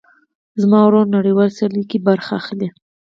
زما ورور نړيوالو سیاليو کې برخه اخلي.